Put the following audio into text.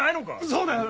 そうだよ。